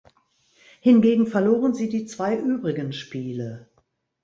Hingegen verloren sie die zwei übrigen Spiele.